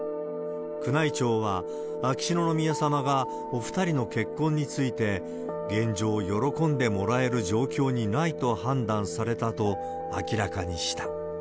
宮内庁は秋篠宮さまがお２人の結婚について、現状、喜んでもらえる状況にないと判断されたと明らかにした。